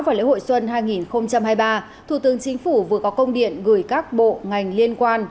và lễ hội xuân hai nghìn hai mươi ba thủ tướng chính phủ vừa có công điện gửi các bộ ngành liên quan